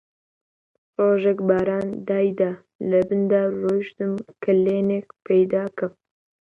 ڕۆژێک باران دایدا، لەبن دار ڕۆیشتم کەلێنێک پەیدا کەم